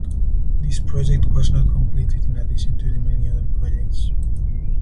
This project was not completed in addition to the many other projects.